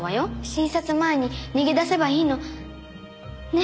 診察前に逃げ出せばいいの。ね？